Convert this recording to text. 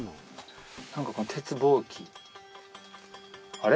あれ？